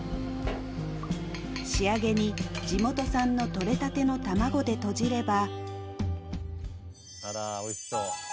仕上げに地元産の取れたての卵でとじればあらおいしそう！